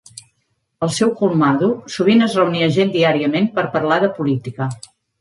Al seu "colmado", sovint es reunia gent diàriament per parlar de política.